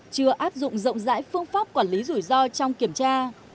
chưa áp dụng rộng rãi phương pháp quản lý rủi ro trong kiểm tra